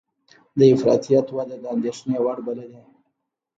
د افراطیت وده د اندېښنې وړ بللې